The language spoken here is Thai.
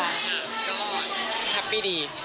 ก็สบายดี